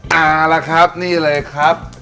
มาแล้วครับนี่เลยครับ